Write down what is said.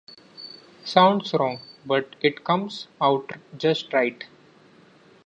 Sounds wrong, but it comes out just right.